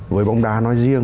với bóng đá nói riêng